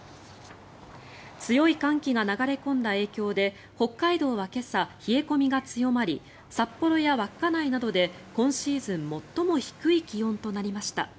強い寒気が流れ込んだ影響で北海道は今朝、冷え込みが強まり札幌や稚内などで今シーズン最も低い気温となりました。